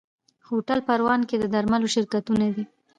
هوټل پروان کې د درملو شرکتونه دي.